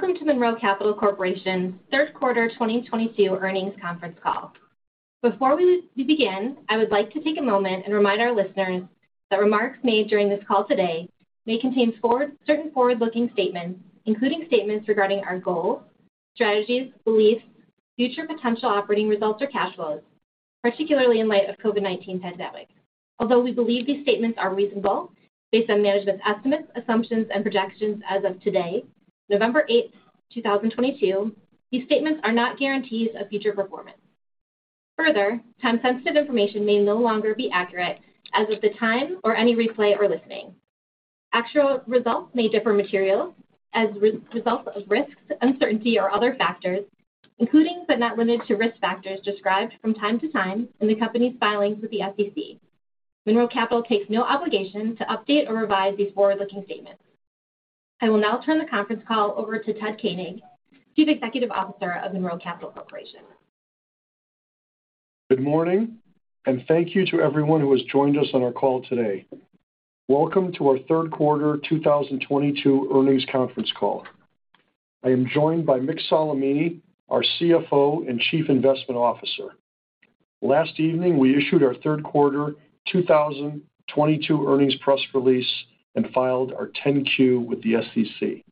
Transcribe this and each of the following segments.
Welcome to Monroe Capital Corporation's third quarter 2022 earnings conference call. Before we begin, I would like to take a moment and remind our listeners that remarks made during this call today may contain certain forward-looking statements, including statements regarding our goals, strategies, beliefs, future potential operating results or cash flows, particularly in light of COVID-19 pandemic. Although we believe these statements are reasonable, based on management's estimates, assumptions and projections as of today, November eighth, two thousand twenty-two, these statements are not guarantees of future performance. Further, time-sensitive information may no longer be accurate as of the time or any replay or listening. Actual results may differ materially as a result of risks, uncertainty or other factors, including but not limited to risk factors described from time to time in the company's filings with the SEC. Monroe Capital takes no obligation to update or revise these forward-looking statements. I will now turn the conference call over to Ted Koenig, Chief Executive Officer of Monroe Capital Corporation. Good morning, and thank you to everyone who has joined us on our call today. Welcome to our third quarter 2022 earnings conference call. I am joined by Mick Solimene, our CFO and Chief Investment Officer. Last evening, we issued our third quarter 2022 earnings press release and filed our 10-Q with the SEC.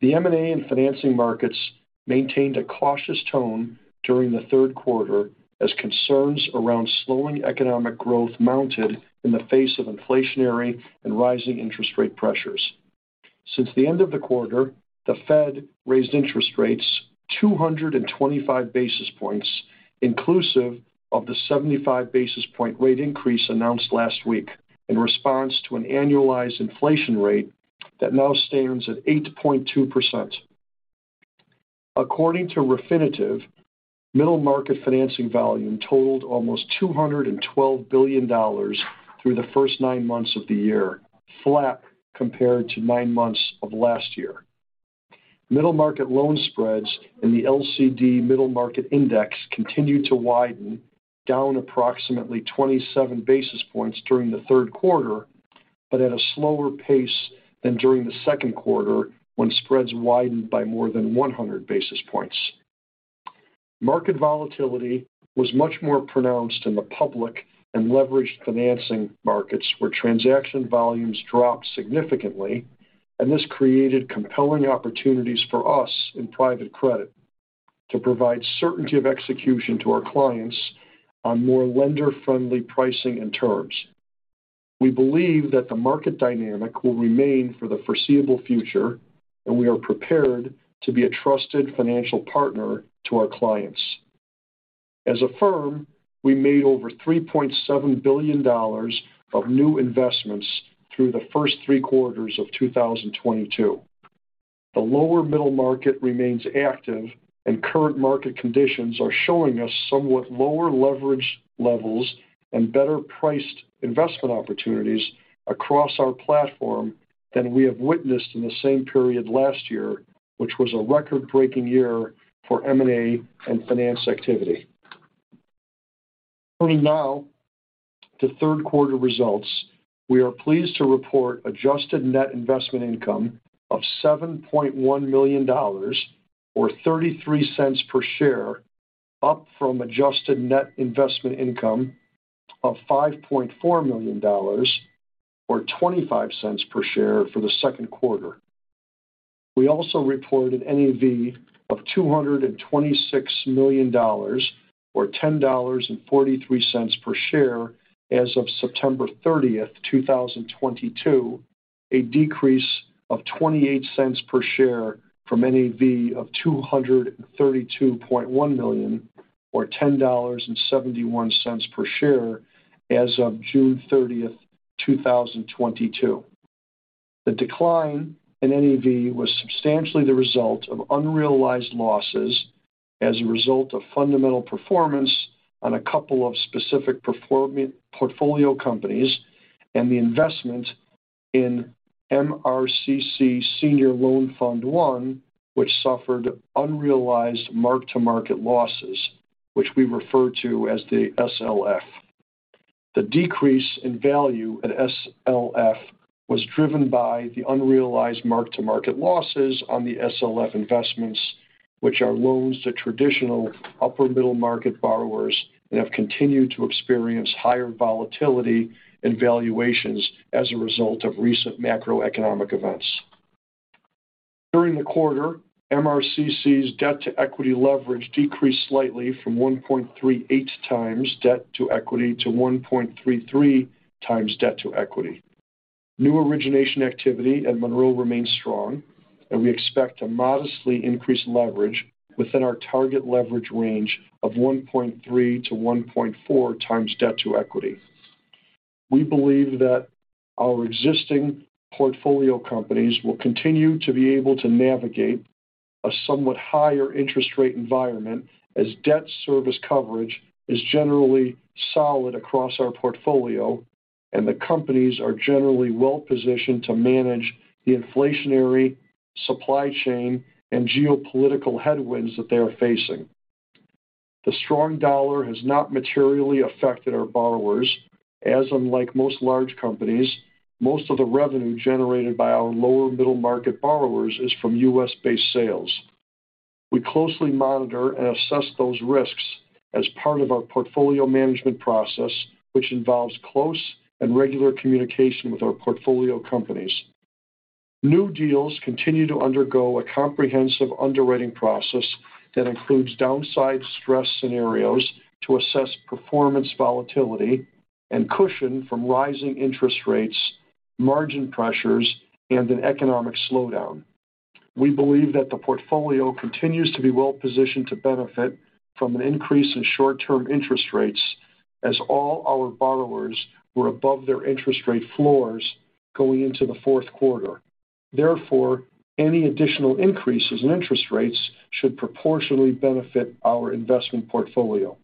The M&A and financing markets maintained a cautious tone during the third quarter as concerns around slowing economic growth mounted in the face of inflationary and rising interest rate pressures. Since the end of the quarter, the Fed raised interest rates 225 basis points, inclusive of the 75 basis point rate increase announced last week in response to an annualized inflation rate that now stands at 8.2%. According to Refinitiv, middle market financing volume totaled almost $212 billion through the first nine months of the year, flat compared to nine months of last year. Middle market loan spreads in the LCD Middle Market Index continued to widen down approximately 27 basis points during the third quarter, but at a slower pace than during the second quarter when spreads widened by more than 100 basis points. Market volatility was much more pronounced in the public and leveraged financing markets where transaction volumes dropped significantly, and this created compelling opportunities for us in private credit to provide certainty of execution to our clients on more lender-friendly pricing and terms. We believe that the market dynamic will remain for the foreseeable future, and we are prepared to be a trusted financial partner to our clients. As a firm, we made over $3.7 billion of new investments through the first three quarters of 2022. The lower middle market remains active and current market conditions are showing us somewhat lower leverage levels and better-priced investment opportunities across our platform than we have witnessed in the same period last year, which was a record-breaking year for M&A and finance activity. Turning now to third quarter results, we are pleased to report adjusted net investment income of $7.1 million or $0.33 per share, up from adjusted net investment income of $5.4 million or $0.25 per share for the second quarter. We reported NAV of $226 million or $10.43 per share as of September 30, 2022, a decrease of 28 cents per share from NAV of $232.1 million or $10.71 per share as of June 30, 2022. The decline in NAV was substantially the result of unrealized losses as a result of fundamental performance on a couple of specific portfolio companies and the investment in MRCC Senior Loan Fund I, which suffered unrealized mark-to-market losses, which we refer to as the SLF. The decrease in value at SLF was driven by the unrealized mark-to-market losses on the SLF investments, which are loans to traditional upper middle market borrowers and have continued to experience higher volatility and valuations as a result of recent macroeconomic events. During the quarter, MRCC's debt-to-equity leverage decreased slightly from 1.38 times debt to equity to 1.33 times debt to equity. New origination activity at Monroe remains strong, and we expect to modestly increase leverage within our target leverage range of 1.3-1.4 times debt to equity. We believe that our existing portfolio companies will continue to be able to navigate a somewhat higher interest rate environment as debt service coverage is generally solid across our portfolio, and the companies are generally well-positioned to manage the inflationary supply chain and geopolitical headwinds that they are facing. The strong dollar has not materially affected our borrowers as unlike most large companies, most of the revenue generated by our lower middle market borrowers is from U.S.-based sales. We closely monitor and assess those risks as part of our portfolio management process, which involves close and regular communication with our portfolio companies. New deals continue to undergo a comprehensive underwriting process that includes downside stress scenarios to assess performance volatility and cushion from rising interest rates, margin pressures, and an economic slowdown. We believe that the portfolio continues to be well-positioned to benefit from an increase in short-term interest rates as all our borrowers were above their interest rate floors going into the fourth quarter. Therefore, any additional increases in interest rates should proportionally benefit our investment portfolio.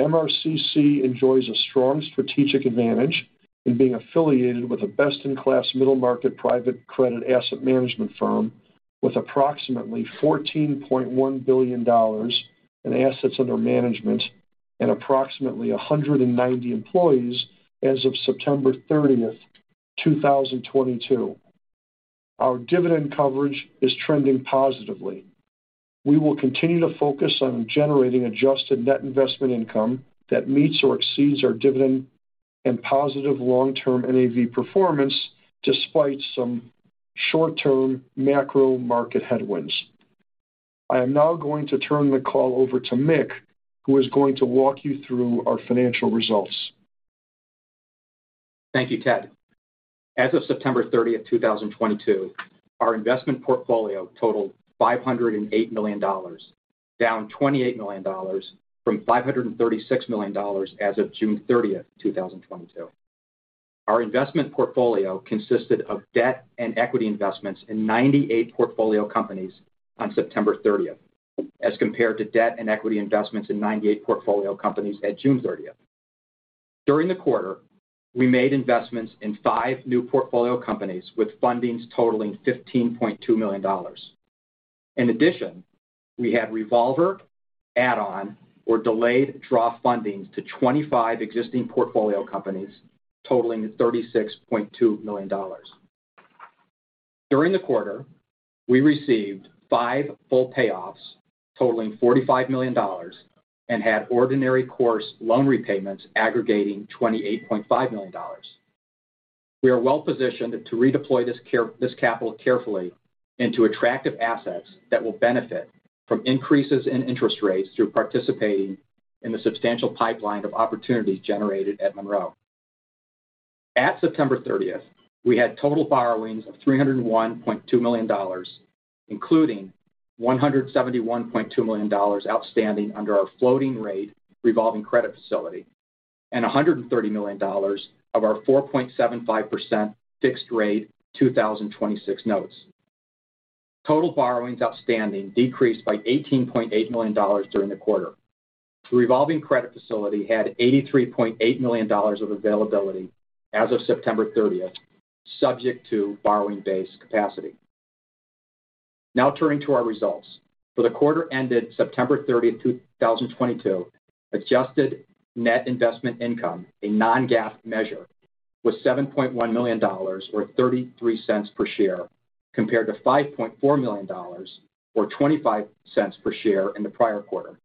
MRCC enjoys a strong strategic advantage in being affiliated with a best-in-class middle-market private credit asset management firm with approximately $14.1 billion in assets under management and approximately 190 employees as of September 30, 2022. Our dividend coverage is trending positively. We will continue to focus on generating adjusted net investment income that meets or exceeds our dividend and positive long-term NAV performance despite some short-term macro market headwinds. I am now going to turn the call over to Mick, who is going to walk you through our financial results. Thank you, Ted. As of September 30, 2022, our investment portfolio totaled $508 million, down $28 million from $536 million as of June 30, 2022. Our investment portfolio consisted of debt and equity investments in 98 portfolio companies on September 30, as compared to debt and equity investments in 98 portfolio companies at June 30. During the quarter, we made investments in 5 new portfolio companies with fundings totaling $15.2 million. In addition, we had revolver, add-on, or delayed draw fundings to 25 existing portfolio companies totaling $36.2 million. During the quarter, we received 5 full payoffs totaling $45 million and had ordinary course loan repayments aggregating $28.5 million. We are well-positioned to redeploy this capital carefully into attractive assets that will benefit from increases in interest rates through participating in the substantial pipeline of opportunities generated at Monroe. At September thirtieth, we had total borrowings of $301.2 million, including $171.2 million outstanding under our floating rate revolving credit facility and $130 million of our 4.75% fixed-rate 2026 notes. Total borrowings outstanding decreased by $18.8 million during the quarter. The revolving credit facility had $83.8 million of availability as of September thirtieth, subject to borrowing base capacity. Now turning to our results. For the quarter ended September 30, 2022, adjusted net investment income, a non-GAAP measure, was $7.1 million or $0.33 per share, compared to $5.4 million or $0.25 per share in the prior quarter.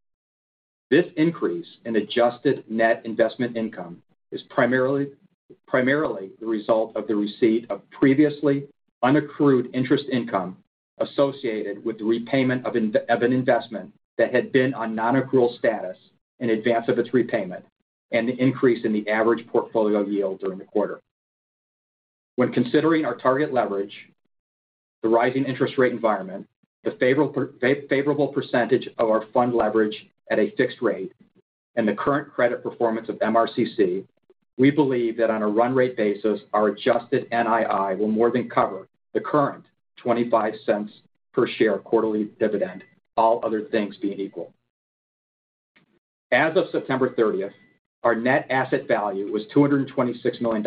This increase in adjusted net investment income is primarily the result of the receipt of previously unaccrued interest income associated with the repayment of an investment that had been on non-accrual status in advance of its repayment and the increase in the average portfolio yield during the quarter. When considering our target leverage, the rising interest rate environment, the favorable percentage of our fund leverage at a fixed rate and the current credit performance of MRCC, we believe that on a run rate basis, our adjusted NII will more than cover the current $0.25 per share quarterly dividend, all other things being equal. As of September thirtieth, our net asset value was $226 million,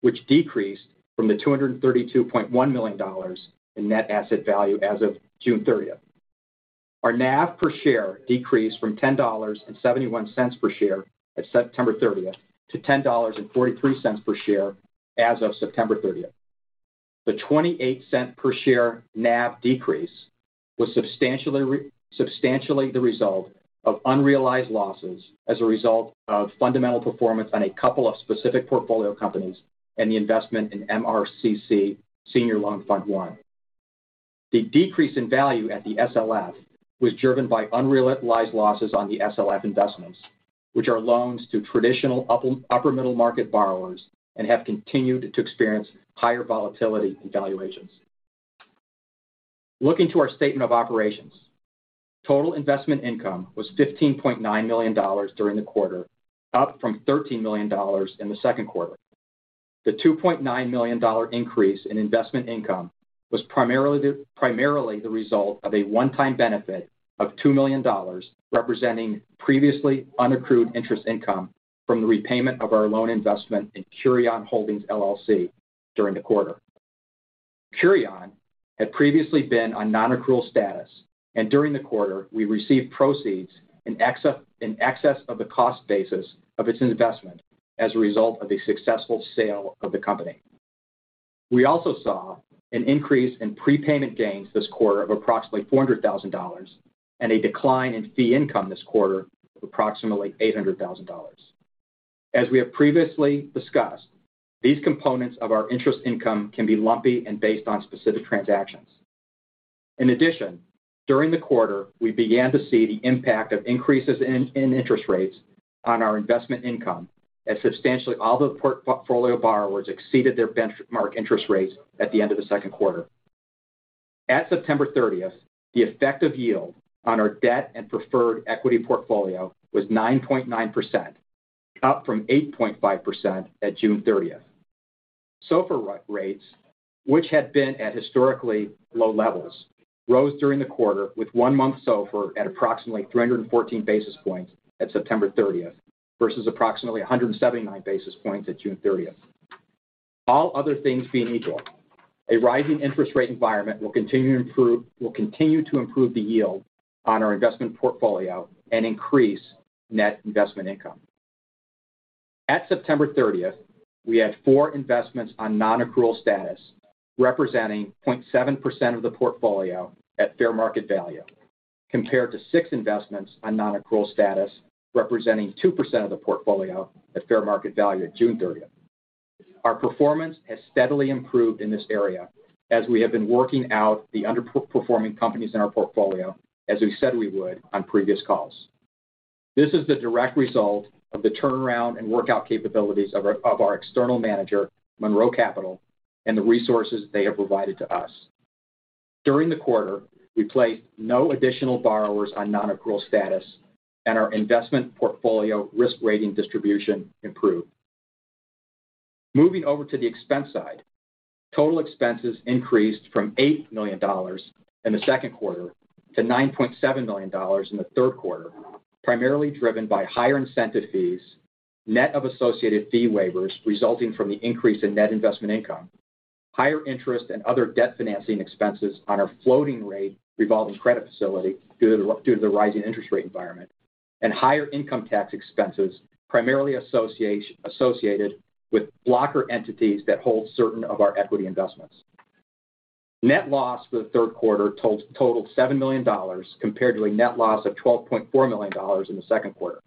which decreased from the $232.1 million in net asset value as of June thirtieth. Our NAV per share decreased from $10.71 per share as of June thirtieth to $10.43 per share as of September thirtieth. The 28-cent per share NAV decrease was substantially the result of unrealized losses as a result of fundamental performance on a couple of specific portfolio companies and the investment in MRCC Senior Loan Fund I. The decrease in value at the SLF was driven by unrealized losses on the SLF investments, which are loans to traditional upper middle market borrowers and have continued to experience higher volatility in valuations. Looking to our statement of operations. Total investment income was $15.9 million during the quarter, up from $13 million in the second quarter. The $2.9 million increase in investment income was primarily the result of a one-time benefit of $2 million representing previously unaccrued interest income from the repayment of our loan investment in Curion Holdings LLC during the quarter. Curion had previously been on non-accrual status, and during the quarter, we received proceeds in excess of the cost basis of its investment as a result of a successful sale of the company. We also saw an increase in prepayment gains this quarter of approximately $400,000 and a decline in fee income this quarter of approximately $800,000. As we have previously discussed, these components of our interest income can be lumpy and based on specific transactions. In addition, during the quarter, we began to see the impact of increases in interest rates on our investment income as substantially all the portfolio borrowers exceeded their benchmark interest rates at the end of the second quarter. At September thirtieth, the effective yield on our debt and preferred equity portfolio was 9.9%, up from 8.5% at June thirtieth. SOFR rates, which had been at historically low levels, rose during the quarter with one-month SOFR at approximately 314 basis points at September thirtieth versus approximately 179 basis points at June thirtieth. All other things being equal, a rising interest rate environment will continue to improve the yield on our investment portfolio and increase net investment income. At September thirtieth, we had 4 investments on non-accrual status, representing 0.7% of the portfolio at fair market value, compared to 6 investments on non-accrual status, representing 2% of the portfolio at fair market value at June thirtieth. Our performance has steadily improved in this area as we have been working out the underperforming companies in our portfolio, as we said we would on previous calls. This is the direct result of the turnaround and workout capabilities of our external manager, Monroe Capital, and the resources they have provided to us. During the quarter, we placed no additional borrowers on non-accrual status and our investment portfolio risk rating distribution improved. Moving over to the expense side. Total expenses increased from $8 million in the second quarter to $9.7 million in the third quarter, primarily driven by higher incentive fees, net of associated fee waivers resulting from the increase in net investment income, higher interest and other debt financing expenses on our floating rate revolving credit facility due to the rising interest rate environment, and higher income tax expenses, primarily associated with blocker entities that hold certain of our equity investments. Net loss for the third quarter totaled $7 million compared to a net loss of $12.4 million in the second quarter.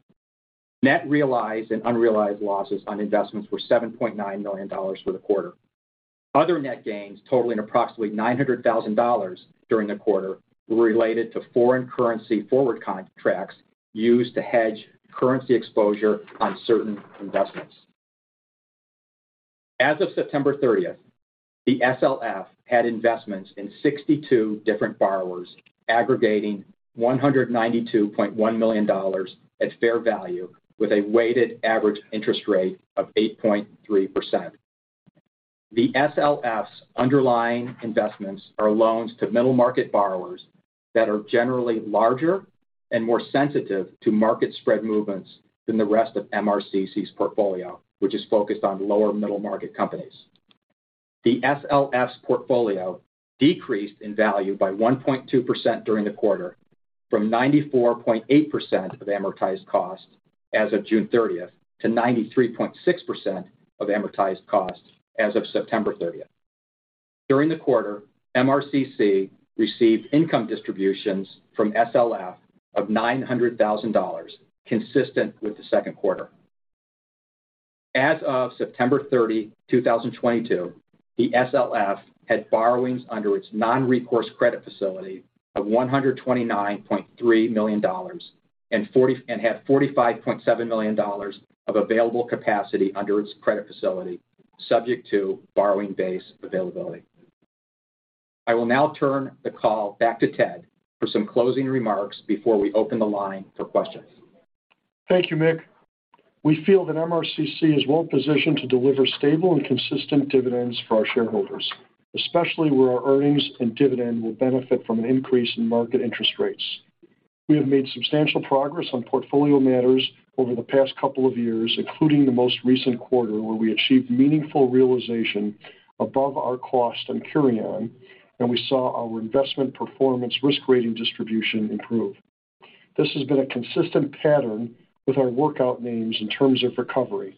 Net realized and unrealized losses on investments were $7.9 million for the quarter. Other net gains totaling approximately $900,000 during the quarter were related to foreign currency forward contracts used to hedge currency exposure on certain investments. As of September 30th, the SLF had investments in 62 different borrowers aggregating $192.1 million at fair value with a weighted average interest rate of 8.3%. The SLF's underlying investments are loans to middle-market borrowers that are generally larger and more sensitive to market spread movements than the rest of MRCC's portfolio, which is focused on lower middle-market companies. The SLF's portfolio decreased in value by 1.2% during the quarter from 94.8% of amortized cost as of June 30th to 93.6% of amortized cost as of September 30th. During the quarter, MRCC received income distributions from SLF of $900,000, consistent with the second quarter. As of September 30, 2022, the SLF had borrowings under its non-recourse credit facility of $129.3 million and had $45.7 million of available capacity under its credit facility, subject to borrowing base availability. I will now turn the call back to Ted for some closing remarks before we open the line for questions. Thank you, Mick. We feel that MRCC is well positioned to deliver stable and consistent dividends for our shareholders, especially where our earnings and dividend will benefit from an increase in market interest rates. We have made substantial progress on portfolio matters over the past couple of years, including the most recent quarter, where we achieved meaningful realization above our cost on Curion, and we saw our investment performance risk rating distribution improve. This has been a consistent pattern with our workout names in terms of recovery.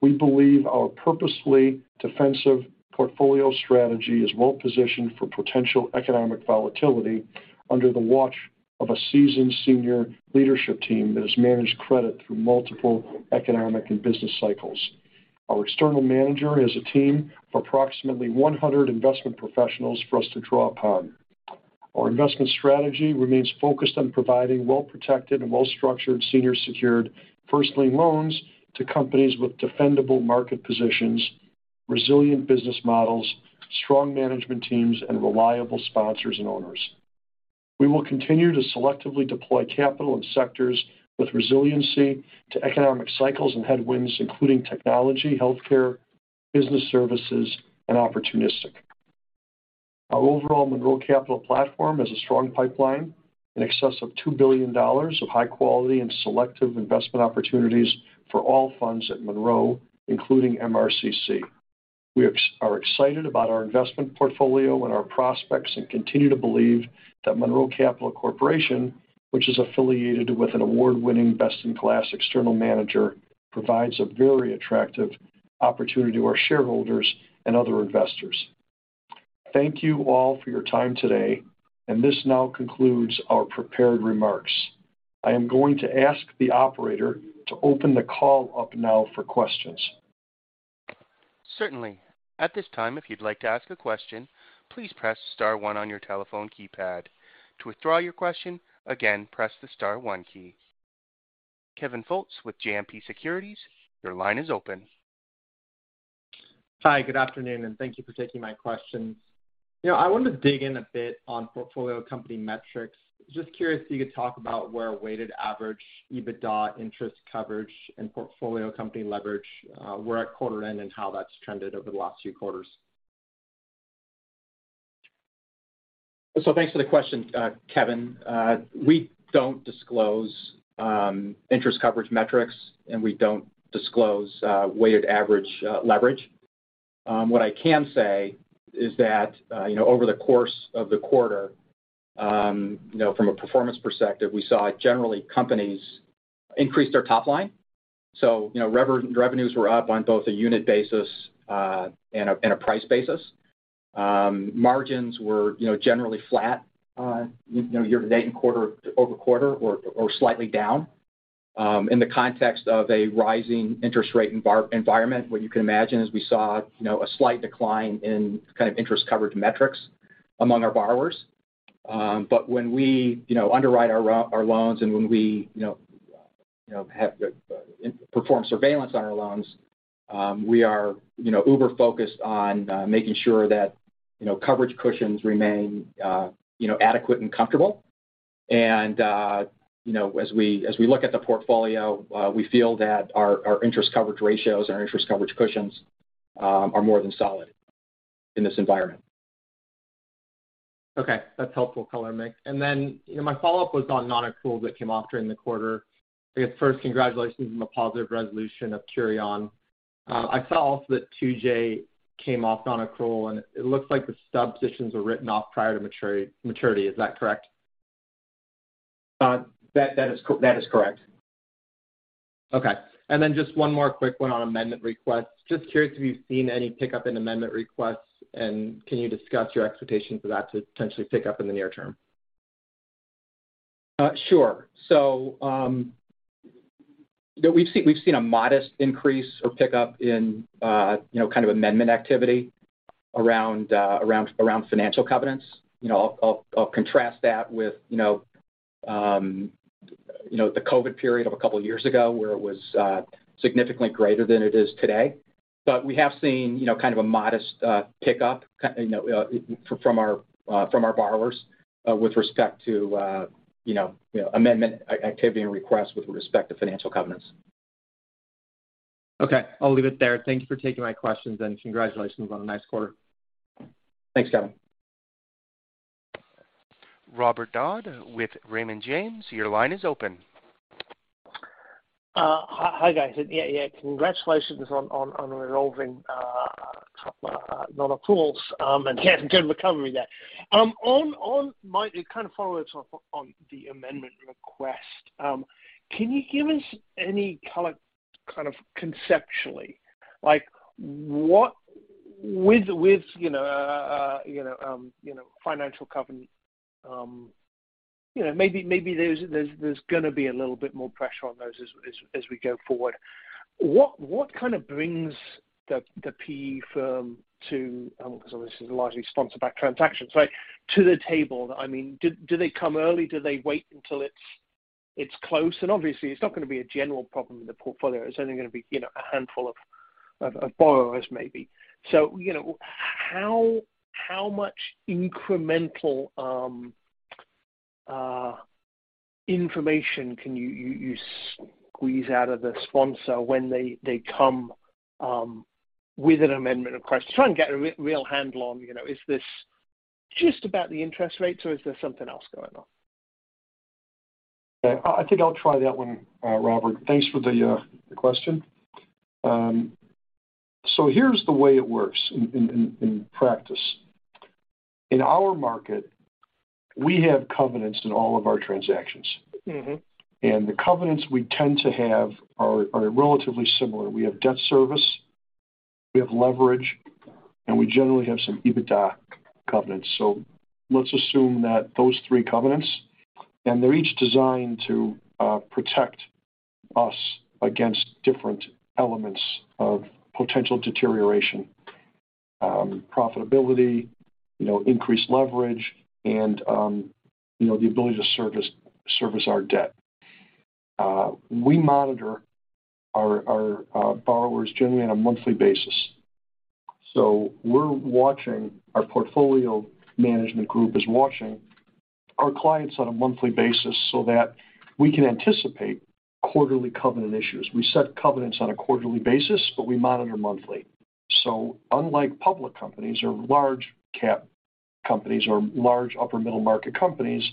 We believe our purposefully defensive portfolio strategy is well positioned for potential economic volatility under the watch of a seasoned senior leadership team that has managed credit through multiple economic and business cycles. Our external manager is a team of approximately 100 investment professionals for us to draw upon. Our investment strategy remains focused on providing well-protected and well-structured senior secured first lien loans to companies with defendable market positions, resilient business models, strong management teams, and reliable sponsors and owners. We will continue to selectively deploy capital in sectors with resiliency to economic cycles and headwinds, including technology, healthcare, business services, and opportunistic. Our overall Monroe Capital platform has a strong pipeline. In excess of $2 billion of high quality and selective investment opportunities for all funds at Monroe, including MRCC. We are excited about our investment portfolio and our prospects, and continue to believe that Monroe Capital Corporation, which is affiliated with an award-winning, best in class external manager, provides a very attractive opportunity to our shareholders and other investors. Thank you all for your time today, and this now concludes our prepared remarks. I am going to ask the operator to open the call up now for questions. Certainly. At this time, if you'd like to ask a question, please press star one on your telephone keypad. To withdraw your question, again, press the star one key. Kevin Fultz with JMP Securities, your line is open. Hi, good afternoon, and thank you for taking my questions. You know, I wanted to dig in a bit on portfolio company metrics. Just curious if you could talk about where weighted average EBITDA interest coverage and portfolio company leverage were at quarter end and how that's trended over the last few quarters. Thanks for the question, Kevin. We don't disclose interest coverage metrics, and we don't disclose weighted average leverage. What I can say is that you know over the course of the quarter you know from a performance perspective we saw generally companies increase their top line. You know revenues were up on both a unit basis and a price basis. Margins were you know generally flat you know year to date and quarter-over-quarter or slightly down. In the context of a rising interest rate environment, what you can imagine is we saw you know a slight decline in kind of interest coverage metrics among our borrowers. When we, you know, underwrite our loans and when we, you know, perform surveillance on our loans, we are, you know, uber focused on making sure that, you know, coverage cushions remain, you know, adequate and comfortable. As we look at the portfolio, we feel that our interest coverage ratios and our interest coverage cushions are more than solid in this environment. Okay. That's helpful color, Mick. You know, my follow-up was on non-accrual that came off during the quarter. I guess first, congratulations on the positive resolution of Curion. I saw also that TJ came off non-accrual, and it looks like the sub positions were written off prior to maturity. Is that correct? That is correct. Okay. Just one more quick one on amendment requests. Just curious if you've seen any pickup in amendment requests, and can you discuss your expectation for that to potentially pick up in the near term? Sure. We've seen a modest increase or pickup in, you know, kind of amendment activity around financial covenants. You know, I'll contrast that with, you know, the COVID period of a couple years ago where it was significantly greater than it is today. We have seen, you know, kind of a modest pickup from our borrowers with respect to, you know, amendment activity and requests with respect to financial covenants. Okay. I'll leave it there. Thank you for taking my questions, and congratulations on a nice quarter. Thanks, Kevin. Robert Dodd with Raymond James, your line is open. Hi, guys. Congratulations on resolving non-accruals and good recovery there. It kind of follows up on the amendment request. Can you give us any color kind of conceptually like what with, you know, financial covenant, you know, maybe there's gonna be a little bit more pressure on those as we go forward. What kind of brings the PE firm to, because obviously this is a largely sponsor-backed transaction, sorry, to the table? I mean, do they come early? Do they wait until it's close? Obviously it's not gonna be a general problem in the portfolio. It's only gonna be, you know, a handful of borrowers maybe. You know, how much incremental information can you squeeze out of the sponsor when they come with an amendment request? Trying to get a real handle on, you know, is this just about the interest rates or is there something else going on? Yeah. I think I'll try that one, Robert. Thanks for the question. Here's the way it works in practice. In our market, we have covenants in all of our transactions. Mm-hmm. The covenants we tend to have are relatively similar. We have debt service, we have leverage, and we generally have some EBITDA covenants. Let's assume that those three covenants, and they're each designed to protect us against different elements of potential deterioration, profitability, you know, increased leverage and, you know, the ability to service our debt. We monitor our borrowers generally on a monthly basis. Our portfolio management group is watching our clients on a monthly basis so that we can anticipate quarterly covenant issues. We set covenants on a quarterly basis, but we monitor monthly. Unlike public companies or large cap companies or large upper middle market companies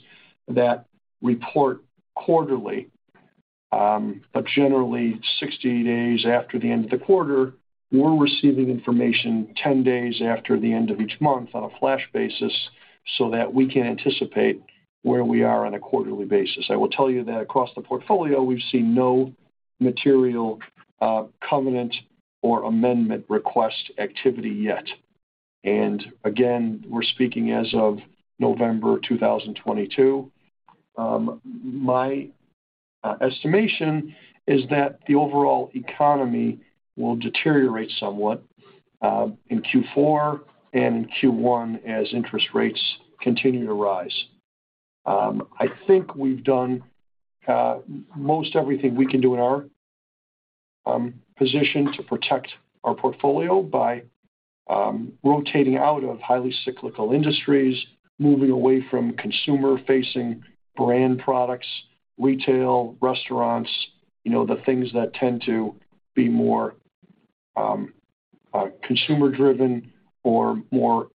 that report quarterly, but generally 60 days after the end of the quarter, we're receiving information 10 days after the end of each month on a flash basis so that we can anticipate where we are on a quarterly basis. I will tell you that across the portfolio, we've seen no material covenant or amendment request activity yet. Again, we're speaking as of November 2022. My estimation is that the overall economy will deteriorate somewhat in Q4 and in Q1 as interest rates continue to rise. I think we've done most everything we can do in our position to protect our portfolio by rotating out of highly cyclical industries, moving away from consumer-facing brand products, retail, restaurants, you know, the things that tend to be more consumer-driven or more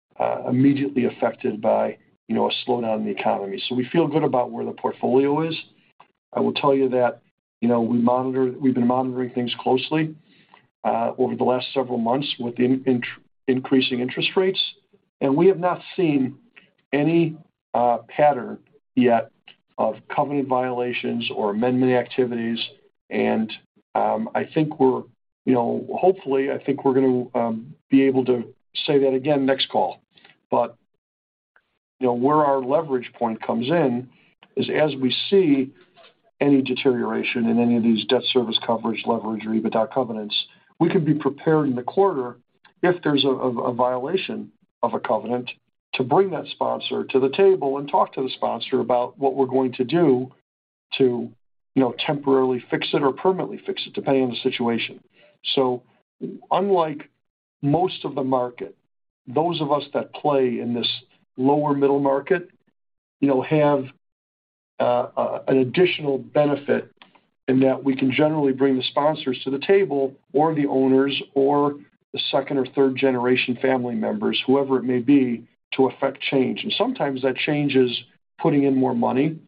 immediately affected by, you know, a slowdown in the economy. We feel good about where the portfolio is. I will tell you that, you know, we've been monitoring things closely over the last several months with increasing interest rates, and we have not seen any pattern yet of covenant violations or amendment activities. I think we're, you know, hopefully gonna be able to say that again next call. You know, where our leverage point comes in is, as we see any deterioration in any of these debt service coverage, leverage, or EBITDA covenants, we can be prepared in the quarter if there's a violation of a covenant to bring that sponsor to the table and talk to the sponsor about what we're going to do to, you know, temporarily fix it or permanently fix it, depending on the situation. Unlike most of the market, those of us that play in this lower middle market, you know, have an additional benefit in that we can generally bring the sponsors to the table or the owners or the second or third generation family members, whoever it may be, to affect change. Sometimes that change is putting in more money.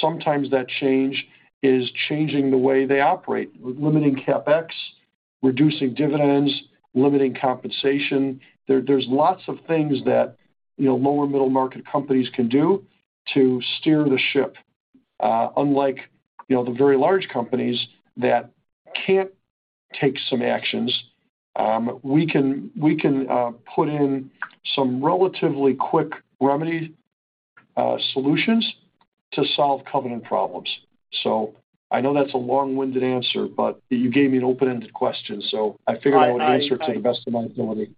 Sometimes that change is changing the way they operate, limiting CapEx, reducing dividends, limiting compensation. There's lots of things that, you know, lower middle market companies can do to steer the ship. Unlike, you know, the very large companies that can't take some actions, we can put in some relatively quick remedy solutions to solve covenant problems. I know that's a long-winded answer, but you gave me an open-ended question, so I figured I would answer it to the best of my ability.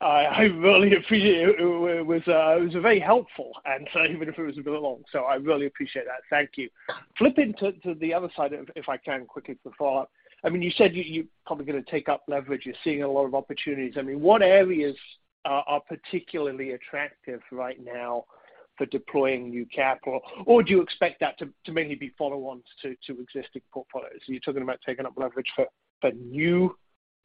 I really appreciate it. It was a very helpful answer, even if it was a bit long, so I really appreciate that. Thank you. Flipping to the other side, if I can quickly for follow-up. I mean, you said you're probably gonna take up leverage. You're seeing a lot of opportunities. I mean, what areas are particularly attractive right now for deploying new capital? Or do you expect that to mainly be follow-ons to existing portfolios? Are you talking about taking up leverage for new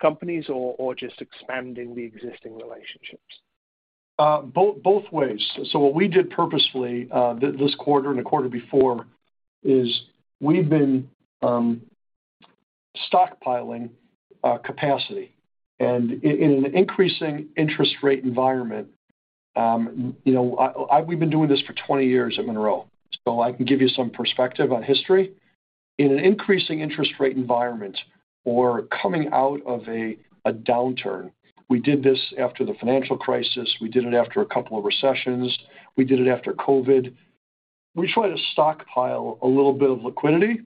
companies or just expanding the existing relationships? Both ways. What we did purposefully, this quarter and the quarter before is we've been stockpiling capacity. In an increasing interest rate environment, you know, we've been doing this for 20 years at Monroe, so I can give you some perspective on history. In an increasing interest rate environment or coming out of a downturn, we did this after the financial crisis, we did it after a couple of recessions, we did it after COVID. We try to stockpile a little bit of liquidity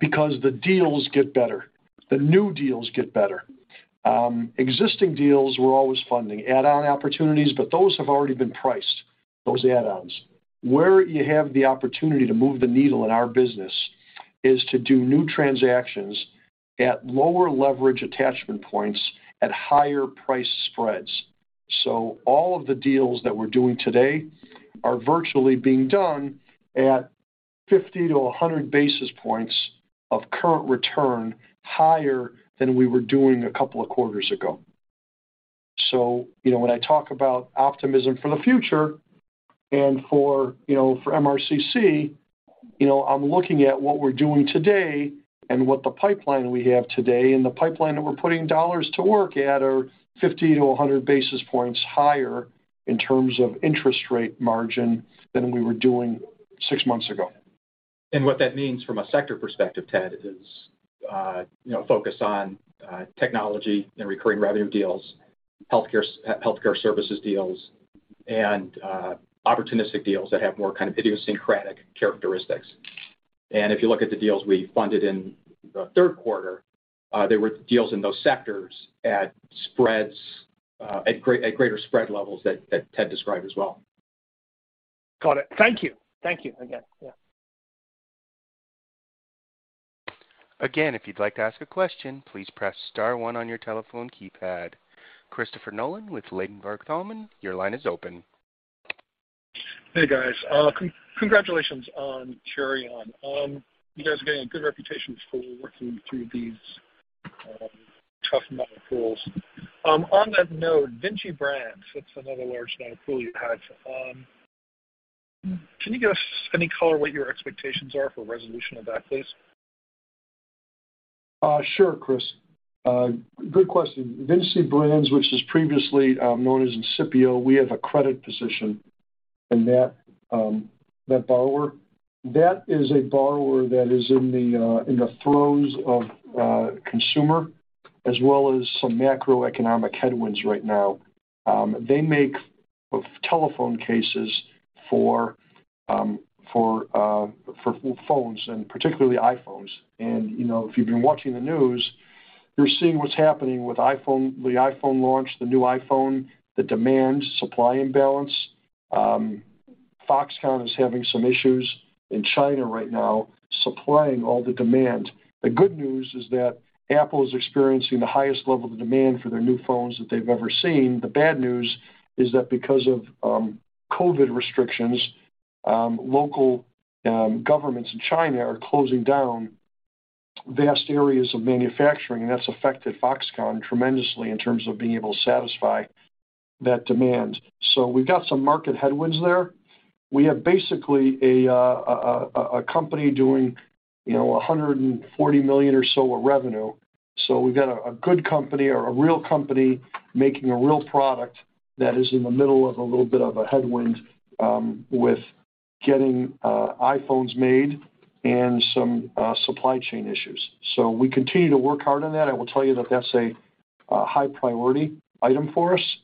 because the deals get better. The new deals get better. Existing deals, we're always funding add-on opportunities, but those have already been priced, those add-ons. Where you have the opportunity to move the needle in our business is to do new transactions at lower leverage attachment points at higher price spreads. All of the deals that we're doing today are virtually being done at 50-100 basis points of current return higher than we were doing a couple of quarters ago. You know, when I talk about optimism for the future and for, you know, for MRCC, you know, I'm looking at what we're doing today and what the pipeline we have today, and the pipeline that we're putting dollars to work at are 50-100 basis points higher in terms of interest rate margin than we were doing six months ago. What that means from a sector perspective, Ted, is, you know, focus on technology and recurring revenue deals, healthcare services deals, and opportunistic deals that have more kind of idiosyncratic characteristics. If you look at the deals we funded in the third quarter, they were deals in those sectors at spreads at greater spread levels that Ted described as well. Got it. Thank you. Thank you again. Yeah. Again, if you'd like to ask a question, please press star one on your telephone keypad. Christopher Nolan with Ladenburg Thalmann, your line is open. Hey, guys. Congratulations on Curion. You guys are getting a good reputation for working through these tough non-accruals. On that note, Vinci Brands, that's another large non-accrual you had. Can you give us any color what your expectations are for resolution of that, please? Sure, Chris. Good question. Vinci Brands, which was previously known as Incipio, we have a credit position in that borrower. That is a borrower that is in the throes of consumer as well as some macroeconomic headwinds right now. They make telephone cases for phones and particularly iPhones. You know, if you've been watching the news, you're seeing what's happening with iPhone, the iPhone launch, the new iPhone, the demand, supply imbalance. Foxconn is having some issues in China right now supplying all the demand. The good news is that Apple is experiencing the highest level of demand for their new phones that they've ever seen. The bad news is that because of COVID restrictions, local governments in China are closing down vast areas of manufacturing, and that's affected Foxconn tremendously in terms of being able to satisfy that demand. We've got some market headwinds there. We have basically a company doing, you know, $140 million or so of revenue. We've got a good company or a real company making a real product that is in the middle of a little bit of a headwind with getting iPhones made and some supply chain issues. We continue to work hard on that. I will tell you that that's a high priority item for us.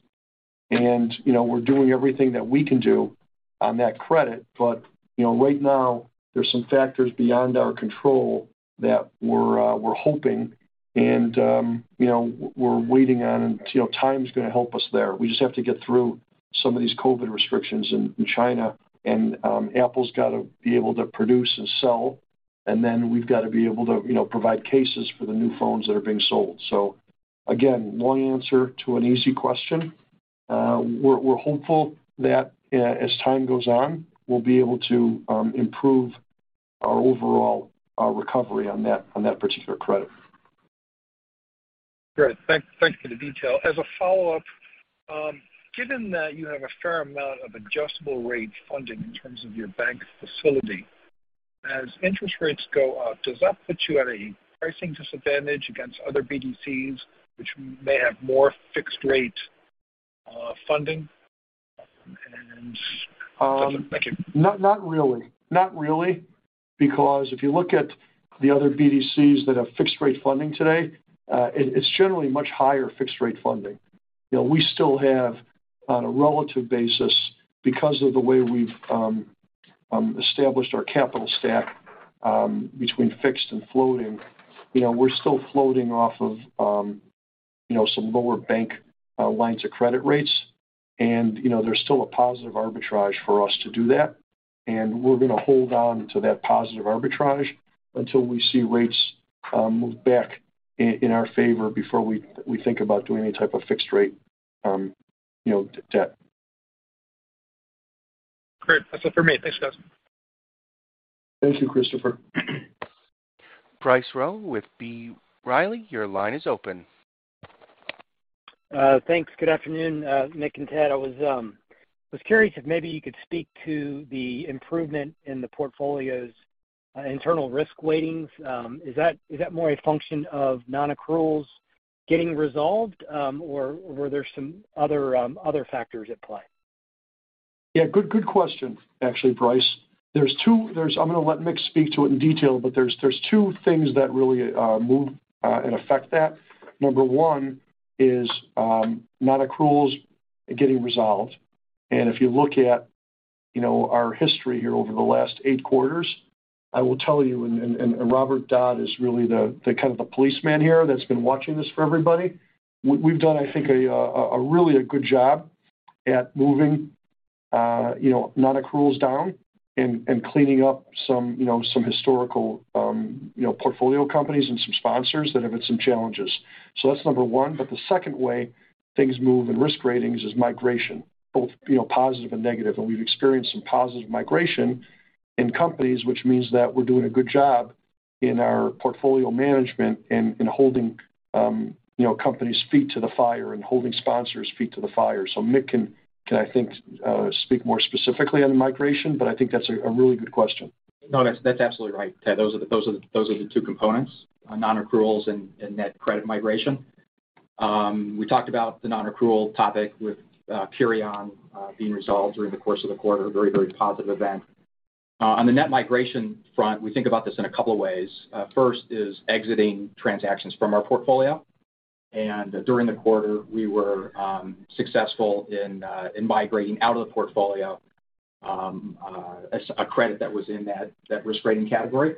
you know, we're doing everything that we can do on that credit. You know, right now, there's some factors beyond our control that we're hoping and, you know, we're waiting on. You know, time's gonna help us there. We just have to get through some of these COVID restrictions in China, and Apple's gotta be able to produce and sell. Then we've got to be able to, you know, provide cases for the new phones that are being sold. Again, long answer to an easy question. We're hopeful that as time goes on, we'll be able to improve our overall recovery on that particular credit. Great. Thank you for the detail. As a follow-up, given that you have a fair amount of adjustable rate funding in terms of your bank facility, as interest rates go up, does that put you at a pricing disadvantage against other BDCs which may have more fixed rate funding? That's it. Thank you. Not really. Because if you look at the other BDCs that have fixed rate funding today, it's generally much higher fixed rate funding. You know, we still have on a relative basis because of the way we've established our capital stack between fixed and floating. You know, we're still floating off of you know, some lower bank lines of credit rates. You know, there's still a positive arbitrage for us to do that. We're gonna hold on to that positive arbitrage until we see rates move back in our favor before we think about doing any type of fixed rate debt. Great. That's it for me. Thanks, guys. Thank you, Christopher. Bryce Rowe with B. Riley, your line is open. Thanks. Good afternoon, Mick and Ted. I was curious if maybe you could speak to the improvement in the portfolio's internal risk weightings. Is that more a function of non-accruals getting resolved? Or were there some other factors at play? Yeah, good question, actually, Bryce. I'm gonna let Mick speak to it in detail, but there's two things that really move and affect that. Number one is non-accruals getting resolved. If you look at you know our history here over the last eight quarters, I will tell you, and Robert Dodd is really the kind of policeman here that's been watching this for everybody. We've done I think a really good job at moving you know non-accruals down and cleaning up some you know some historical you know portfolio companies and some sponsors that have had some challenges. That's number one. The second way things move in risk ratings is migration, both you know positive and negative. We've experienced some positive migration in companies, which means that we're doing a good job in our portfolio management and in holding, you know, companies' feet to the fire and holding sponsors' feet to the fire. Mick can, I think, speak more specifically on the migration, but I think that's a really good question. No, that's absolutely right, Ted. Those are the two components, non-accruals and net credit migration. We talked about the non-accrual topic with Curion being resolved during the course of the quarter, a very positive event. On the net migration front, we think about this in a couple of ways. First is exiting transactions from our portfolio. During the quarter, we were successful in migrating out of the portfolio, a credit that was in that risk rating category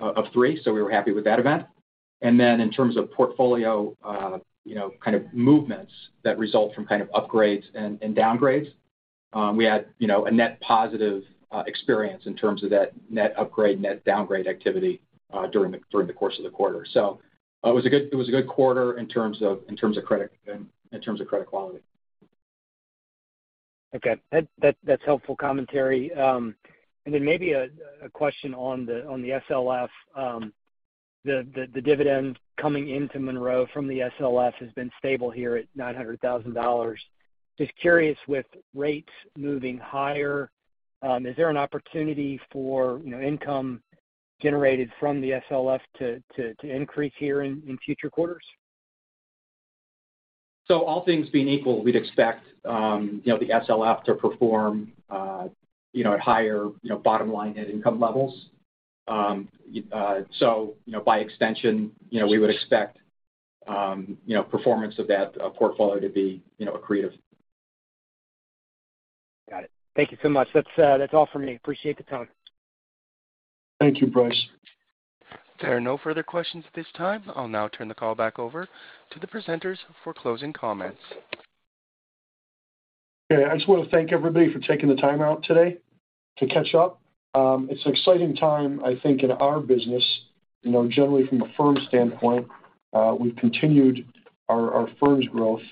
of three. So we were happy with that event. In terms of portfolio, you know, kind of movements that result from kind of upgrades and downgrades, we had, you know, a net positive experience in terms of that net upgrade, net downgrade activity during the course of the quarter. It was a good quarter in terms of credit and in terms of credit quality. Okay. That's helpful commentary. Then maybe a question on the SLF. The dividend coming into Monroe from the SLF has been stable here at $900,000. Just curious, with rates moving higher, is there an opportunity for, you know, income generated from the SLF to increase here in future quarters? All things being equal, we'd expect, you know, the SLF to perform, you know, at higher, you know, bottom line net income levels. You know, by extension, you know, we would expect, you know, performance of that portfolio to be, you know, accretive. Got it. Thank you so much. That's all for me. Appreciate the time. Thank you, Bryce. There are no further questions at this time. I'll now turn the call back over to the presenters for closing comments. Okay. I just wanna thank everybody for taking the time out today to catch up. It's an exciting time, I think, in our business. You know, generally from a firm standpoint, we've continued our firm's growth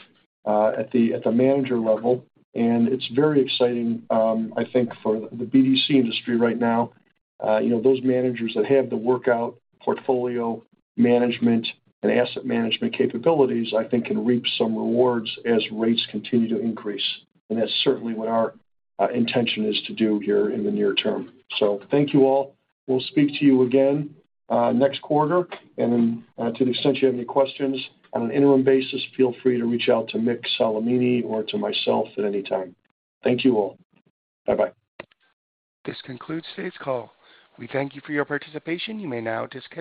at the manager level, and it's very exciting, I think for the BDC industry right now. You know, those managers that have the workout portfolio management and asset management capabilities, I think can reap some rewards as rates continue to increase. That's certainly what our intention is to do here in the near term. Thank you all. We'll speak to you again next quarter. Then, to the extent you have any questions on an interim basis, feel free to reach out to Mick Solimene or to myself at any time. Thank you all. Bye-bye. This concludes today's call. We thank you for your participation. You may now disconnect.